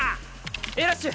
Ａラッシュ！